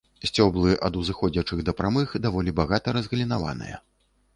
Сцеблы ад узыходзячых да прамых, даволі багата разгалінаваныя.